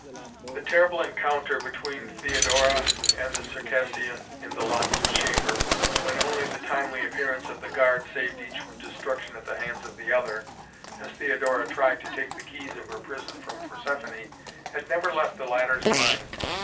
The terrible encounter between Theodora and the Circassian in the locked chamber, when only the timely appearance of the guard saved each from destruction at the hands of the other, as Theodora tried to take the keys of her prison from Persephoné, had never left the latter's mind.